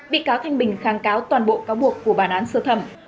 bị cáo thanh bình kháng cáo toàn bộ cáo buộc của bản án sơ thẩm